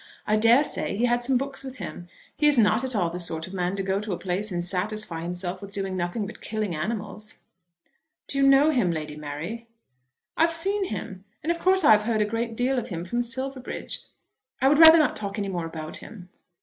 I dare say he had some books with him. He is not at all the sort of a man to go to a place and satisfy himself with doing nothing but killing animals." "Do you know him, Lady Mary?" "I have seen him, and of course I have heard a great deal of him from Silverbridge. I would rather not talk any more about him."